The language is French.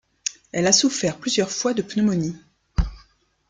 Elle a souffert plusieurs fois de pneumonie.